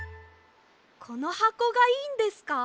このはこがいいんですか？